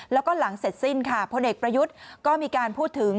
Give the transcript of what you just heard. แล้วก็หลังเสร็จสิ้นค่ะพลเอกประยุทธ์ก็มีการพูดถึง